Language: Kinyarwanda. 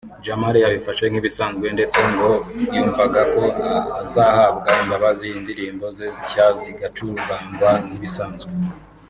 Jamal yabifashe nk’ibisanzwe ndetse ngo yumvaga ko azahabwa imbabazi indirimbo ze nshya zigacurangwa nk’ibisanzwe